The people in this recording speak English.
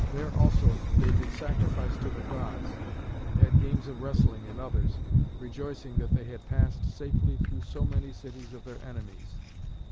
There also they did sacrifice to the Gods, and had games of wrestling and others, rejoicing that they had passed safely through so many cities of their enemies.